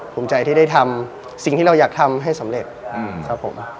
ภูมิใจที่ได้ทำสิ่งที่เราอยากทำให้สำเร็จครับผม